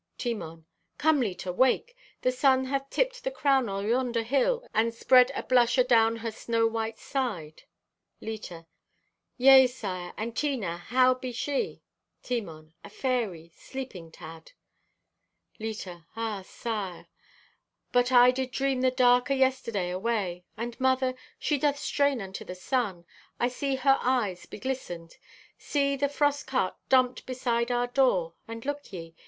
(Timon) "Come, Leta, wake! The sun hath tipped the crown o' yonder hill and spread a blush adown her snow white side." (Leta) "Yea, sire. And Tina, how be she?" (Timon) "A fairy, sleeping, Tad." (Leta) "Ah, sire, but I did dream the dark o' yesterday away. And, mother, she doth strain unto the sun! I see her eyes be glistened. See, the frost cart dumped beside our door, and look ye!